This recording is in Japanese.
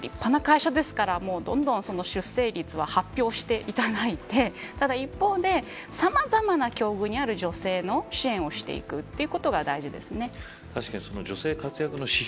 なので伊藤忠、立派な会社ですからどんどん出生率は発表していただいてただ一方で、さまざまな境遇にある女性の支援をしていくということが大事ですね。